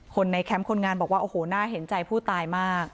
ในแคมป์คนงานบอกว่าโอ้โหน่าเห็นใจผู้ตายมาก